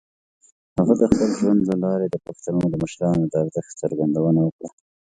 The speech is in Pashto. هغه د خپل ژوند له لارې د پښتنو د مشرانو د ارزښت څرګندونه وکړه.